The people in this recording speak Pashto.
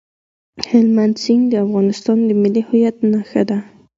هلمند سیند د افغانستان د ملي هویت نښه ده.